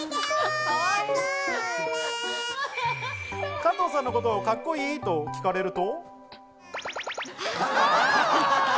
加藤さんのことをカッコいい？と聞かれると。